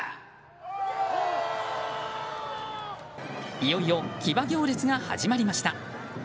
いよいよ騎馬行列が始まりました。